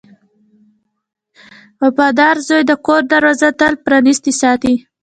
• وفادار زوی د کور دروازه تل پرانستې ساتي.